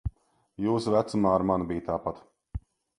Jūsu vecumā ar mani bija tāpat.